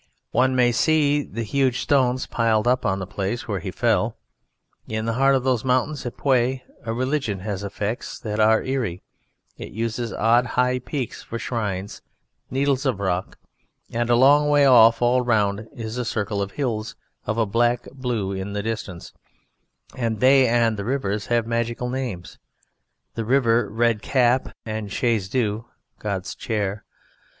One may see the huge stones piled up on the place where he fell. In the heart of those mountains, at Puy, religion has effects that are eerie; it uses odd high peaks for shrines needles of rock; and a long way off all round is a circle of hills of a black blue in the distance, and they and the rivers have magical names the river Red Cap and Chaise Dieu, "God's Chair."